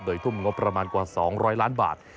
โดยทุ่มงบประมาณกว่า๒๐๐ล้านบาท